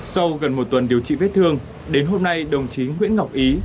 sau gần một tuần điều trị vết thương đến hôm nay đồng chí nguyễn ngọc ý